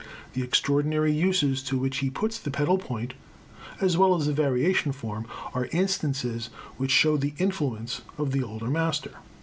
The extraordinary uses to which he puts the pedal point, as well as the variation form, are instances which show the influence of the older master.